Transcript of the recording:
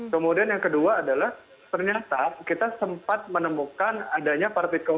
kemudian yang kedua adalah ternyata kita sempat menemukan adanya partikel